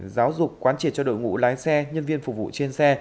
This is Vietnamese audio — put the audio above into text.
giáo dục quán triệt cho đội ngũ lái xe nhân viên phục vụ trên xe